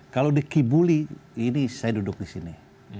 kalau dikibully ini saya duduk di sini